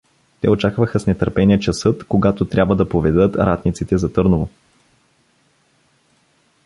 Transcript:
Те очакваха с нетърпение часът, когато трябва да поведат ратниците за Търново.